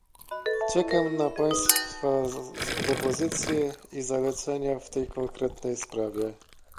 Czekam na państwa propozycje i zalecenia w tej konkretnej sprawie